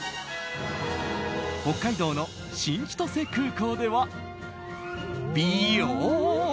北海道の新千歳空港ではびよーん！